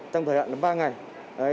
trong thời hạn ba ngày